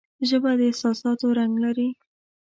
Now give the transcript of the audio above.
ژبه د احساساتو رنگ لري